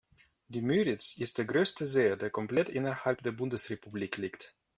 Die Müritz ist der größte See, der komplett innerhalb der Bundesrepublik liegt.